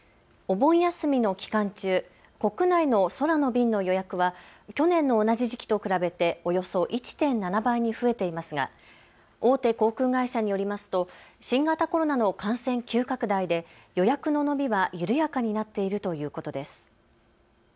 お盆休みの期間中、国内の空の便の予約は去年の同じ時期と比べておよそ１．７倍に増えていますが大手航空会社によりますと新型コロナの感染急拡大で予約の伸びは緩やかになっているということです。